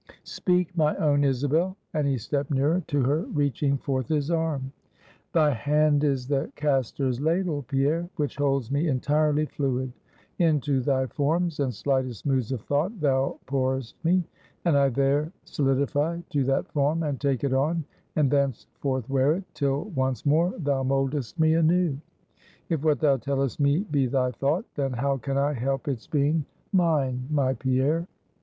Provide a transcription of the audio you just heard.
Speak, my own Isabel," and he stept nearer to her, reaching forth his arm. "Thy hand is the caster's ladle, Pierre, which holds me entirely fluid. Into thy forms and slightest moods of thought, thou pourest me; and I there solidify to that form, and take it on, and thenceforth wear it, till once more thou moldest me anew. If what thou tellest me be thy thought, then how can I help its being mine, my Pierre?"